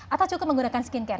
atau cukup menggunakan skin care